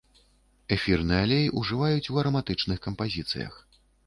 Эфірны алей ўжываюць у араматычных кампазіцыях.